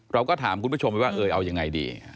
เราก็ถามคุณผู้ชมไปว่าเออเอายังไงดี